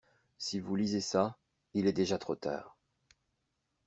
Si vous lisez ça, il est déjà trop tard.